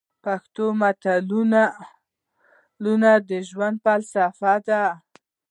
پښتو متلونه د ژوند فلسفه ده.